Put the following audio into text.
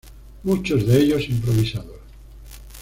Muchos de ellos improvisados.